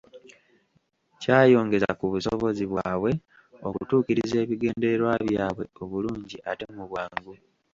Kya yongeza ku busobozi bwabwe okutuukiriza ebigendererwa byabwe obulungi ate mu bwangu.